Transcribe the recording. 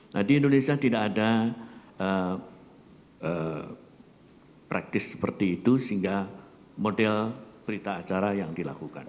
nah di indonesia tidak ada praktis seperti itu sehingga model berita acara yang dilakukan